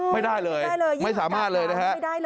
ไม่ได้เลยไม่สามารถเลยนะฮะ